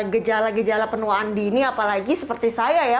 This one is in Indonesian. gejala gejala penuaan dini apalagi seperti saya ya